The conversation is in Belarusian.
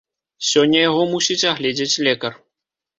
Сёння яго мусіць агледзець лекар.